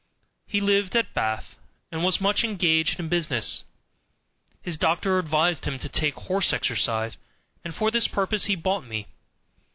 He lived at Bath, and was much engaged in business. His doctor advised him to take horse exercise, and for this purpose he bought me.